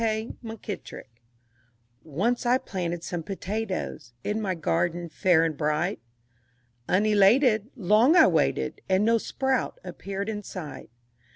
K. MUNKITTRICK Once I planted some potatoes In my garden fair and bright; Unelated Long I waited, And no sprout appeared in sight.